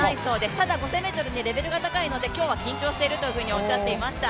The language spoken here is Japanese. ただ、５０００ｍレベルが高いので今日は緊張しているとおっしゃっていました。